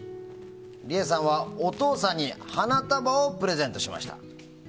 リエさんは、お父さんに花束をプレゼントしました。